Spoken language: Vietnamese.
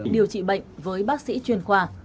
điều trị bệnh với bác sĩ chuyên khoa